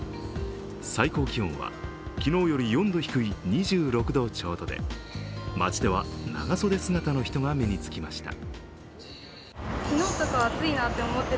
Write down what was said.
最高気温は昨日より４度低い２６度ちょうどで街では長袖姿の人が目につきました。